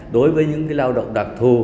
đối với những cái lao động đặc thù